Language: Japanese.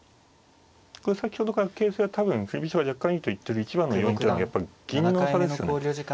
これ先ほどから形勢は多分振り飛車が若干いいと言っている一番の要因っていうのはやっぱり銀の差ですよね。